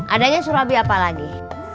adanya surabi apa lagi